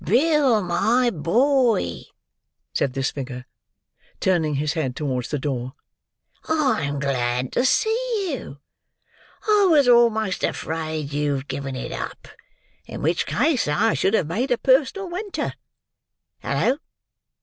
"Bill, my boy!" said this figure, turning his head towards the door, "I'm glad to see you. I was almost afraid you'd given it up: in which case I should have made a personal wentur. Hallo!"